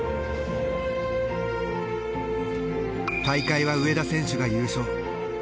大会は上田選手が優勝。